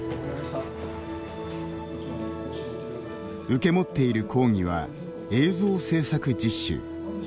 受け持っている講義は映像制作実習。